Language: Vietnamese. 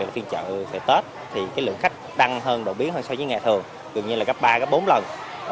phiên chợ tết thì lượng khách đăng hơn đổi biến hơn so với ngày thường gần như là gấp ba bốn lần